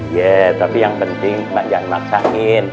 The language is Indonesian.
iya tapi yang penting mak jangan maksakin